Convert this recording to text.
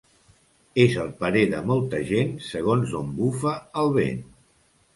És el parer de molta gent, segons d'on bufa el vent.